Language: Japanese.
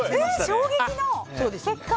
衝撃の結果。